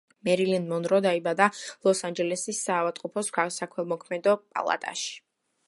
მერილინ მონრო დაიბადა ლოს-ანჯელესის საავადმყოფოს საქველმოქმედო პალატაში.